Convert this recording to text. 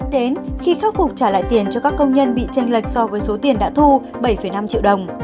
đến khi khắc phục trả lại tiền cho các công nhân bị tranh lệch so với số tiền đã thu bảy năm triệu đồng